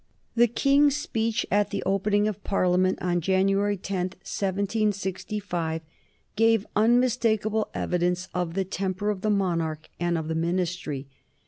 The King's speech at the opening of Parliament on January 10, 1765, gave unmistakable evidence of the temper of the monarch and of the Ministry.